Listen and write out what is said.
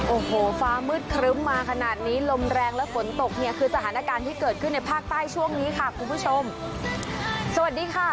โอ้โหฟ้ามืดครึ้มมาขนาดนี้ลมแรงและฝนตกเนี่ยคือสถานการณ์ที่เกิดขึ้นในภาคใต้ช่วงนี้ค่ะคุณผู้ชมสวัสดีค่ะ